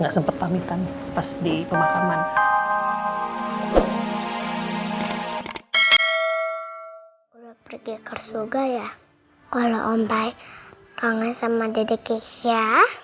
sempet pamitan pas di pemakaman pergi ke soga ya kalau om baik kangen sama dedek ya